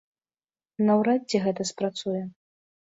Наўрад ці гэта спрацуе.